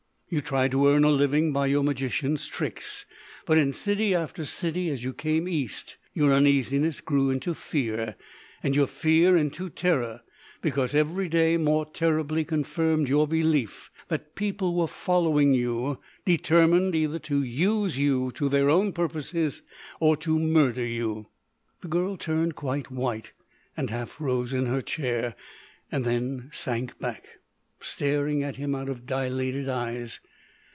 You tried to earn a living by your magician's tricks, but in city after city, as you came East, your uneasiness grew into fear, and your fear into terror, because every day more terribly confirmed your belief that people were following you determined either to use you to their own purposes or to murder you——" The girl turned quite white and half rose in her chair, then sank back, staring at him out of dilated eyes.